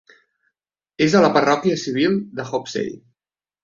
És a la parròquia civil de Hopesay.